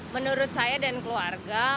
menurut saya dan keluarga